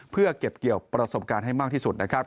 เพื่อเก็บเกี่ยวประสบการณ์ให้มากที่สุดนะครับ